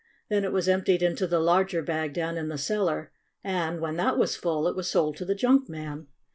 Then it was emptied into the larger bag down in the cellar, and, when that was full, it was sold to the junk man.